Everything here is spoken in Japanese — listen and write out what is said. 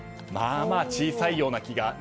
まあまあ小さいような気が。